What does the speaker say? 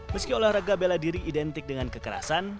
meski olahraga beladiri identik dengan kekerasan